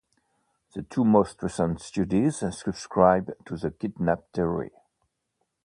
The two most recent studies subscribe to the kidnap theory.